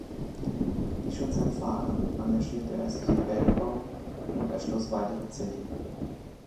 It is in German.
Wie schon sein Vater engagierte er sich im Bergbau und erschloss weitere Zechen.